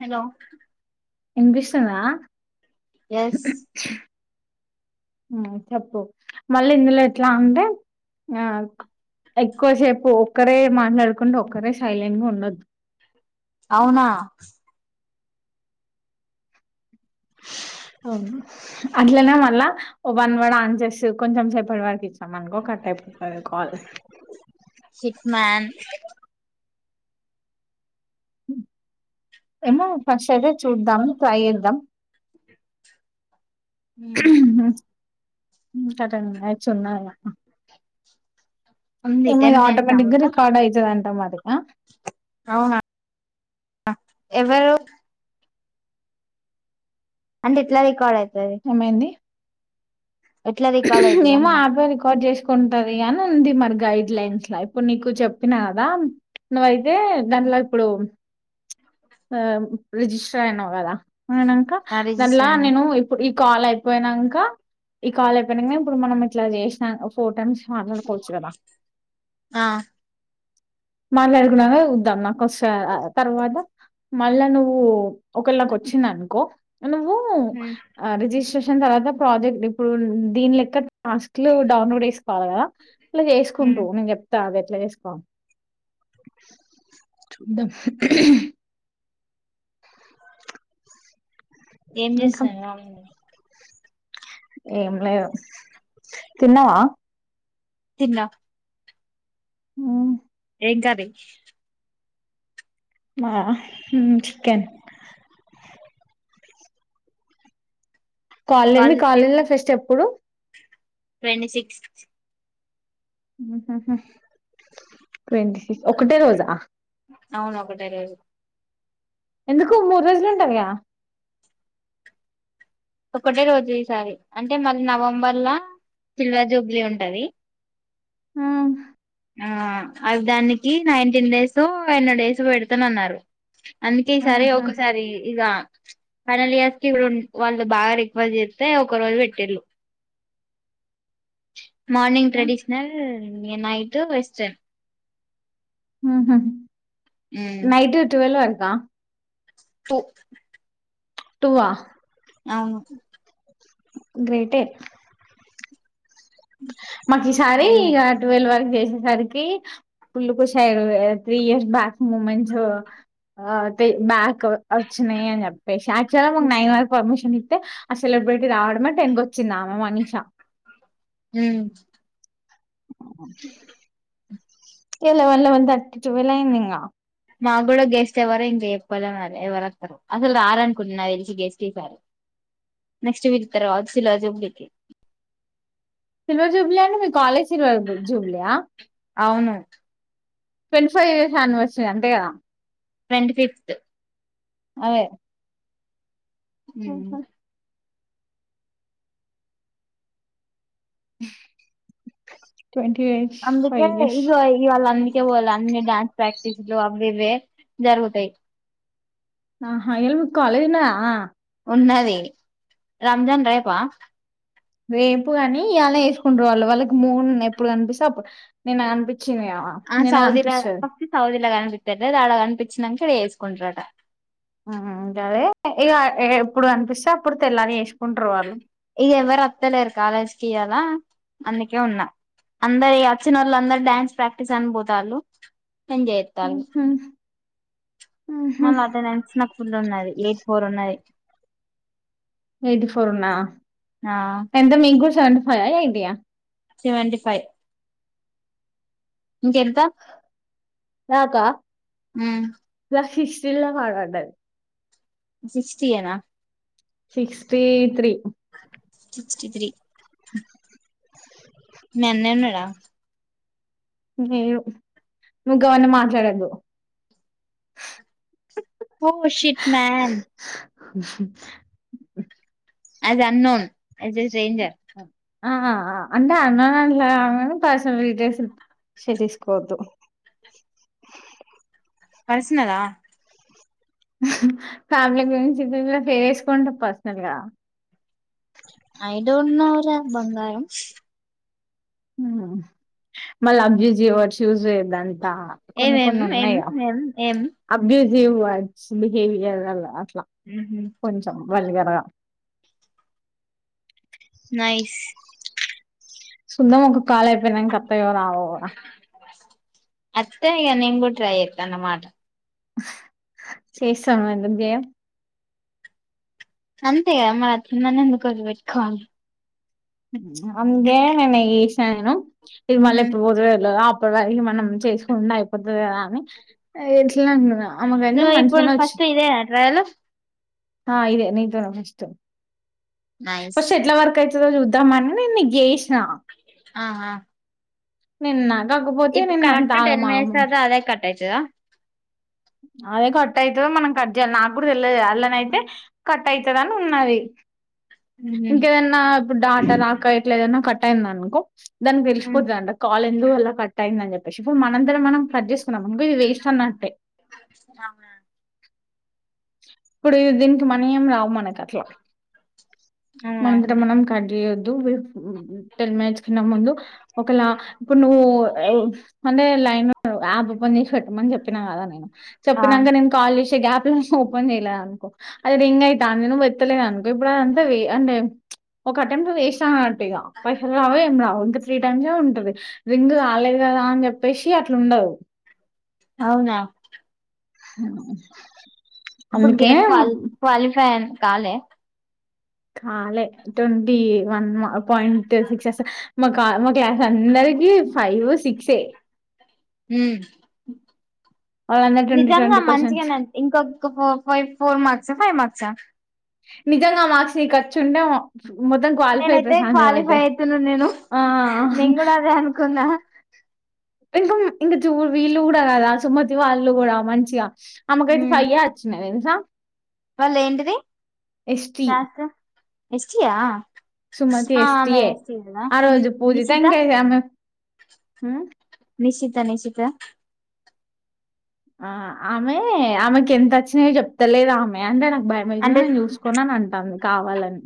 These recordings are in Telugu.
హలో వినిపిస్తుందా ఎస్ ఉ చెప్పు మళ్ళీ ఇందులో ఎట్లా ఉంటే ఆ ఎక్కువసేపు ఒక్కరే మాట్లాడుకుంటే ఒక్కరే సైలెంట్ గా ఉండొద్దు, అవునా [unintelligible] అట్లనే మళ్ళా వన్ కూడా ఆన్ చేసి కొంచెం సేపటి వారికి ఇచ్చాం అనుకోకట [unintelligible] సిక్స్ మాన్ ఏమో ఫాస్ట్ అయితే చూడదాం ట్రై చేద్దాం, [unintelligible] ఈ కాటంగ్ మ్యాచ్ ఉన్నాను, [unintelligible] ఉంది ఓమై టెన్ మినిట్స్ ఆ ఆటోమేటిక్ గా మొత్తం రికార్డ్ అవుతుది అంటాం అదిగా అవునా ఎవరు అంటే ఎట్లా రికార్డ్ అయి ఏమైంది, ఎట్లా రికార్డ్ అయితది ఏమో అన్న అన్నే రికార్డ్ చేసుకు, ఉంటది అని ఉంది మరి గైడ్ లైన్స్ లా ఇప్పుడు నీకు చెప్పిన కదా నువయి వే దాంట్లో ఇప్పుడు ఆ రిజిస్టర్ అయినావు కదా అయినాక నా రిజిస్టర్ దానిలా అయినా నేను ఇప్పుడు కాల్ అయిపోయినాక ఈ కాల్ అయిపోయిన ఇప్పుడు మనం ఇట్లా చేసిన ఫోర్ టైమ్స్ మాట్లాడుకోవచ్చు కదా ఆ మాట్లాడుకున్నాక చుద్దాం నాకు వస్తదా తర్వాత మళ్ళా నువ్వు ఒకళ్ళకి వచ్చింది, అనుకో నువ్వు రిజిస్ట్రేష తర్వాత ప్రాజెక్ట్ ఇప్పుడు దీని లెక్క టాస్క్ లు డౌన్లోడ్ చేసుకోవాలి, కదా ఇలా చేసుకుంటూ నేను చెప్తా అదే చేస్కో చూద్దం ఏం ఇంకా చేస్థానావు ఆమె నువ్వు ఏం లేదు తిన్నావా, తిన్న ఉ ఏం కర్రీ మా చికెన్ కాలిని కాలేజ్ కి కాలేజీలో ఫెస్ట్ ఎప్పుడు, ట్వంటీ సిక్స్త్ ట్వంటీ సిక్స్ ఒకటే రోజా అవును ఒకటే రోజు ఎందుకు మూడు రోజలు ఉంటదిగా, ఒకటే రోజు చేసారు అంటే మళ్ళీ నవంబర్ లో సిల్వర్ జూబ్లీ ఉంటది. హ్మ్. ఆ అవి దానికి నైన్టీన్ డేస్ ఎన్నో డేస్ పెడతాన అన్నారు, అందకే ఈ సారి హుహు. ఒకసారి ఈగ ఫైనల్ ఇయర్స్ కి వాళ్ళు బాగా రిక్వెస్ట్ చేస్తే ఒక రోజు పెట్టేళ్ళు, మార్నింగ్ హ్మ్. ట్రెడిషనల్ నైట్ వెస్టర్న్ హ్మ్ హు నైట్ ట్వెల్ అక్క పు టూ ఆ అవును గ్రేటే మాకు ఈసారి అవును ఇగ ట్వల్ వరకు జేసి సరికి ఫుల్లు కుష్ అయిరు త్రీ ఇయర్స్ బ్యాక్ మూమెంట్స్ ఆ తి బ్యాక్ వచ్చినాయి అని చెప్పేసి యాక్చువల్గా మాకు నైన్ మార్క్ పర్మిషన్ ఇత్తే ఆ సెలబ్రిటీ రావడమే టెన్ కి చ్చినా మనీషా ఉమ్ అ ఎలెవన్ లెవన్ థర్టీ ట్వల్ అయింది ఇంగ మా కూడా గెస్ట్ ఎవరు ఇంక ఎప్పలే మరి ఎవరుత్తరో అసలు రారనుకుంటున్నా తెలిసి గెస్ట్ ఈసారి నెక్స్ట్ విలుత్తర్ కావచ్చు సిల్వర్ జూబ్లీకి సిల్వర్ జూబ్లి అంటే మీ కాలేజ్ సిల్వర్ జూబ్లియా అవును ట్వంటీ ఫైవ్ ఇయర్స్ యానివర్సరీ అంతే కదా ట్వంటి ఫిఫ్త్ అదే మ్ ట్వంటీ అందుకే ఫైవ్ ఇయర్స్ ఇగో ఇయళ అందుకే పోలే అన్నీ డ్యాన్స్ ప్రాక్ క్టిస్లు అవి ఇవే జరుగుతాయి ఆహా ఆ యాల మీకు కాలేజ్ ఉన్నద ఉన్నది రంజాన్ రేపా రేపు కాని ఇయళ వేసుకుంట్రు వాళ్ళు వాళ్ళకి మూన్ ఎప్పుడు కనిపిస్తే అప్పుడు నిన్న కనిపి ఆ సౌదీలా ఫతి సౌదీలా కనిపిస్తారు ఆడ కనిపించినంక ఇడఎసుకుంటరట గదే ఇగ ఎప్పుడు అనిపిస్తే అప్పుడు తెల్లారి ఎసుకుంట్రు వాళ్ళు ఇగ ఎవ్వరు ఒత్తలేరు కాలేజికి ఈయల అందుకే ఉన్నా అందరు వచ్చిన వాళ్ళు అందరు డాన్స్ ప్రాక్టీస్ అని పోతాలు ఎంజాయ్ జేత్తాలు మళ్ళీ అటినెన్స్ నాకు ఫుల్ ఉన్నది ఎయిటీ ఫోర్ ఉన్నది ఎయిటీ ఫోర్ ఉన్నా ఆ ఎంత మీకు కూడా సెవెంటీ ఫైవ్ ఎయిటీ ఆ సెవెంటీ ఫైవ్ ఇంకెంత నాక మ్మ్ నాకు హిస్ జిల్లా పాట అంటది సిక్స్టియేన సిక్స్టీ త్రీ సిక్స్టీ త్రీ మీ అన్నయ్య ఉన్నాడ లేడు నువ్వు గ్గవన్ని మాట్లాడద్దు oh shit man as unknown as a stranger ఆ అంటే అన్నాను అట్లా కాదు గాని పర్సనల్ డీటెయిల్స్ ని షెర్ చేసుకోవద్దు కలిసినారా ఫ్యామిలీ గురించి చెప్తున్న షెర్ చేసుకుంటాం పర్సనల్ గా ఐ డోంట్ నో రా బంగారం మల అబ్జి జీ వ చూజ. దంతా కొన్ని ఏమేం కొన్ని ఏం ఉన్నాయా ఏం ఏం అబ్జిజ్ సేమ్ వర్డ్స్ బిహవియర్ అలా హు హూ వాళ్ళగారా నైస్ సుద్ద ముక్కకు కాళ్ళయిపోయినాక వత్తాయి కదా అత్తే ఇగ నేను గూడ ట్రై చేస్తా అన్నమాట. చేస్తాం ఎందుకు చేయం అంతే మ మనందుకుదిబట్కో అంటే నను ఈసాను నేను ఇది మళ్ళీ ఇప్పుడు పోదు కుళాయికి మనం చేసుకుంటే అయిపోతాది కదా అని ఇట్లనే అన్నాను ఆమె వెన్న నువ్వు ఇప్పుడు మంచిగానే ఫస్ట్ వచ్చింది ఇదేనా ట్రయల్ హ ఇదే నీ తోనే ఫస్ట్ నైస్ ఫస్ట్ ఎట్లా వర్క్ అయితుందో చుద్దాం. ద్దామని నేను నీకు చేసిన ఆహా నిన్న కాకపోతే నిన్న అంత ఆగమాగముండ. పట్టాద [unintelligible] అదే కట్ అవుతుందో మనం కట్ చేయాలో నాకు కూడా తెలీదు. అల్లనయితే కట్ అవుతుందిని ఉన్నది. ఉమ్ ఇంకేదైనా ఇప్పుడు డాట రాక ఇట్లా ఏదైనా కట్ అయింద అనుకో. దానికి తెలిసిపోతుందంట. కాల్ ఎందుకు అలా కట్ అయిందని చెప్పి పుష్పు మనందరం మనం కట్ చేసుకున్నాం అంక ఇది వేస్ట్ అన్నట్టే అవు [unintelligible] ఇప్పుడు దీనికి మనీ ఏం రావు మనకి అట్లా అవునా మనంతట మనం కట్ చేయొద్దు టెన్ మినిట్స్ కన్నా ముందు ఒకలా ఇప్పుడు నువ్వు అంటే లైన్ నువ్వు యాప్ ఓపెన్ చేసి పెట్టమని చెప్పినా కదా నేను ఆ చెప్పినంకా నేను కాల్ చేసి గ్యాప్ లో నుంచి ఓపెన్ చేయలేదు అనుకో అది రింగ్ అయితాంది నేను వెత్తలేదు అనుకో ఇప్పుడు అదంతా అంటే ప్చ్ ఒక అటెంప్ట్ చేసామ్ అన్నట్టు ఇక పైసలు రావు ఏం రావు ఇంకా త్రీ టైమ్స్ ఉంటది. రలేేదు కదా అని చెప్పేసి అట్లు ఉండదు. అవునా అ [inaudible] ఇప్పుడు గేట్ క్వాలి క్వాలిఫై కాలే కాలే ట్వంటి వన్ మా పాయింట్ సిక్స్ అ మా మా క్లాస్ అందరికి ఫైవ్, సిక్సే మ్ వాళ్ళందరు ట్వంటీ ట్వంటీ నిజంగా క్వశ్చన్స్ మంచిగానేండి ఇంకొక ఫైవ్, ఫోర్ మార్క్స్, ఫైవ్ మార్క్స? నిజంగా మార్క్స్ నీ కొచ్చింటే మొత్తం క్వాలిఫై నేనైతే ప్రశాంతం అయితే క్వాలిఫై అయితున్నా నేను ఆ నేను కూడా అదే అనుకున్నా ఇంకా ఇంక చూ వీళ్ళ కూడా కదా సుమతి వాళ్ళు కూడా మంచిగా అమ్మకైతే ఫైవేచ్చ సా [unintelligible] వాళ్ళు ఏంటిది క్యాస్ట్ ఎస్టీ యా సుమతి ఆ ఎస్టీ ఆమె యే కదా ఆ రోజు పూజ నిశిత తంకాతే ఆమె మ్ నిశిత నిశిత ఆ ఆమె ఆమెకి ఎంత వచ్చినాయో చెప్తాలేదా ఆమె అంటే నాకు భయం అవుతుంది అంటే నేను చూసుకోను అని అంటాంది కావాలని.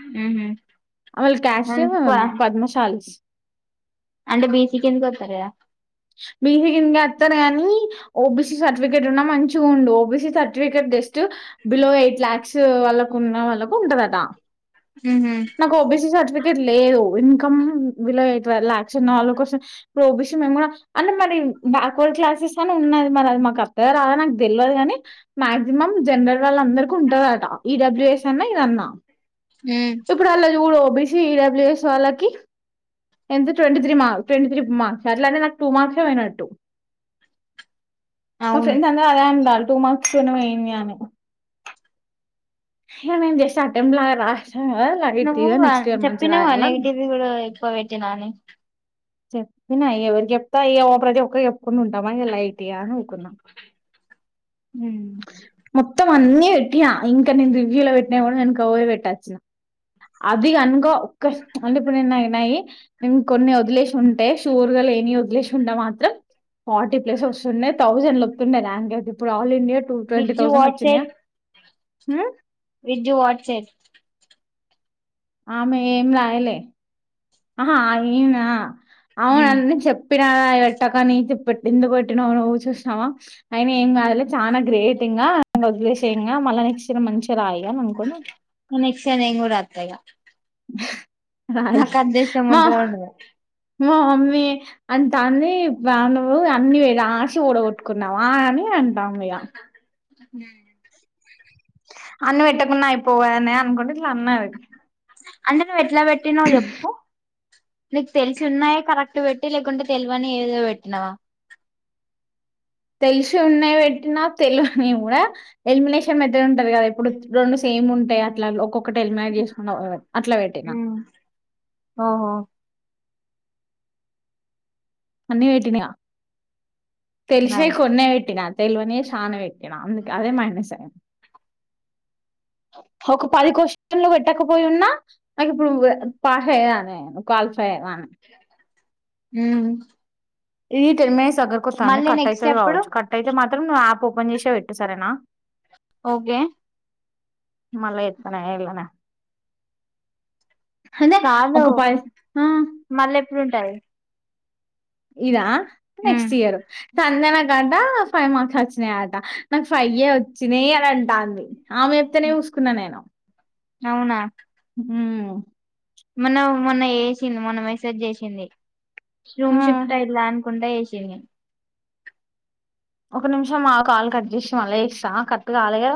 మ్ ఆమె క్యాస్ట్ మో పద్మశాలి అంటే బీసీకి కిందకి వస్తారు కదా బిసి కిందకి వస్తారు కాని ఓబిసి సర్టిఫికెట్ ఉన్నా మంచిగా ఉండు OBC certificate just below eight lakhs వాళ్ళకు ఉన్న వాళ్ళకు ఉంటదట మ్హూ. నాకు ఓబిసీ సర్టిఫికేట్ లేదు ఇంకమ్ బిలో ఎయిట్వ ల్యాక్స్ ఉన్నవాళ్ల కోసం ఇప్పుడు ఓబీసీ మేము కూడా అంటే మరి బ్యాక్వర్డ్ క్లాసెస్ అని ఉన్నాది మరి అది మాకు అత్తగా రాద నాకు తెలియదు కాని మాక్సిమం జనరల్ వాళ్ళ అందరు ఉంటదట ఈడబ్ల్యూ ఎస్ అన్నా ఇదన్నా మ్. ఇప్పుడు అలా చూడు బసి ఇడబ్లిఎస్ వాాలాకి ఎంత twenty three twenty three marks అట్లా అంటే నాకు టూ మార్క్సే పోయినట్టు మా అవును ఫ్రెండ్స్ అందరు అదే అంటారు టూ మాస్టర్ పోయింది నాది ఇగా నేను చేస్తే అటెంప్ లాగా రస్ నువ్వు చెప్పినావు రాయాలని నెగిటివ్ కూడా ఎక్కువ పెట్టినా అని చెప్పిన ఇగా ఎవరికీ చెప్తా ఇగా ఒకరికి చెప్పి ఒకరికి చెప్పకుండా ఉంటామా ఇగా లైట్ ఇగా మొత్తం మ్. మొత్తం అన్నీ పెట్టినా ఇంకా నేను రివ్యూ లో పెట్టినయి కూడా వెనకకు పోయి పెట్టు వచ్చిన అది అనుకో ఒక స్త అంటే ఇప్పుడు నై న్నాయి ఇం కొన్ని వదిలేసిలు ఉంటే షూర్ గా లేని వదిలేసి ఉంటే మాత్రం ఫార్టీ ప్లేస్ వస్తున్నాయి థౌజండ్ లోపు ఉండే ర్యాంక్ అయితే ఇప్పుడు ఆల్ ఇండియా ట్వ ట్వంటీ విజ్జు థౌసండ్ వచ్చింది గా విజూ అల్ ఫెయిల్ ఆమె ఏం రాయలే ఆా ఏయినా అవును మ్. అందని చెప్పి ఎట్టక నీ ఎందుకు పెట్టినవు నువ్వు చూసినవా అయిన ఏం కాదులే చాలా గ్రేట్ ఇంకా గా ఇంకా వదిలేశయంగా నెక్స్ట్ సేమ్ మంచిగా రాయి అని అనుకుని నెక్స్ట్ సారి నేను కూడా రాత ఇగ రయి నాకు అదృష్టం మా ఉంటదో ఉండదో మా మమ్మీ అంటది నువ్ అన్ని రాసి వడగట్టుకున్నావా అని అంట ఏంటండీ ఇగా మ్మ్ అన్నం పెట్టకుండా అయిపోవు కదా అనే అనుకుంటా ఇట్లా అన్నది అంటే నువ్వు ఎట్లా పెట్టినావు చెప్పు నీకు తెలిసి ఉన్నాయ కరెక్ట్ పెట్టి లేకుంటే తెలవని ఏదేదో పెట్టినావా తెలిసి ఉన్నాయి పెట్టిన తెలవనై కూడా ఎలిమినేషన్ మెథడ్ ఉంటది కదా ఇప్పుడు రెండు సమె ఏం ఉంటాయి అట్లా ఒక్కొ ఒకటే హెల్మెట్ చేసుకున్న ఒకటి అట్లా పెట్టనా మ్. ఓహో అన్ని పెట్టిన ఇగా తెలిసినై నైస్ కొన్నే పెట్టిన తెలవని చాలా పెట్టిన అందు అదే మైనస్ అయింది ఒక పది క్వశ్చన్లు పెట్టకపోయిన్నా నాకు ఇప్పుడు పాస్ అయ్యేదాన్ని ఒక ఫేమ్ ఆ హమ్మ్ ఈ టెన్ మినిట్స్ దగ్గరికి వస్తాది కట్ నెక్స్ట్ అయితుది ఎప్పుడు కావచ్చు కట్ అయితే మా మాత్ర్ ఆప్ ఓపెన్ చేసే పెట్టు సరేనా ఓకే మళ చేత్తనా ఇళనే కాదు మళ్ళీ ఎప్పుడుంటాయి ఇదా ఉమ్, నెక్స్ట్ ఇయరు సంజన గట ఫైవ్ మార్క్స్ వచ్చినాయట నాకు ఫైవ్య వచ్చినాయి అని అంటాది ఆమె ఎప్తేనే చూసుకున్నా నేను అవునా మ్మ్ మొన్న మొన్న ఏషింది మొన్న మెసేజ్ జేషింది రూమ్ ఆ షిఫ్ట్ అయిలా అనుకుంట ఏషి తిని ఒక నిమిషం మా కాలు కట్ చేసి మళ్ళ చేస్తా కట్ కాలే కద